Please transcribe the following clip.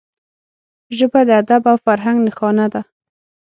ژبه د ادب او فرهنګ نښانه ده